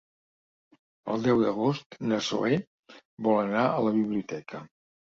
El deu d'agost na Zoè vol anar a la biblioteca.